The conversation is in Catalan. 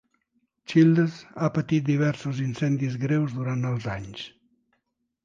Childers ha petit diversos incendis greus durant els anys.